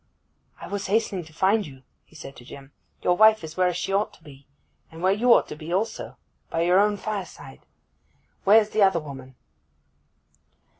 'I was hastening to find you,' he said to Jim. 'Your wife is where she ought to be, and where you ought to be also—by your own fireside. Where's the other woman?